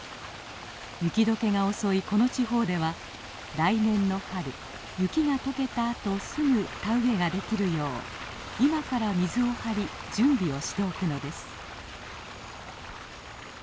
雪解けが遅いこの地方では来年の春雪が解けたあとすぐ田植えができるよう今から水を張り準備をしておくのです。